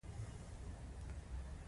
دوی په اسانۍ سره خپل تولیدات کنټرول کړل